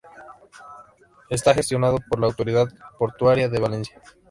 Está gestionado por la autoridad portuaria de Valencia.